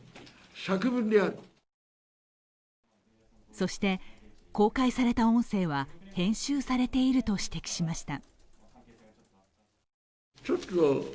そして公開された音声は編集されていると指摘しました。